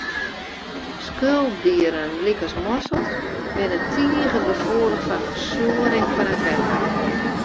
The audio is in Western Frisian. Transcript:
Skulpdieren lykas moksels, binne tige gefoelich foar fersuorring fan it wetter.